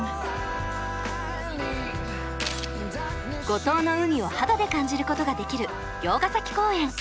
五島の海を肌で感じることができる魚津ヶ崎公園。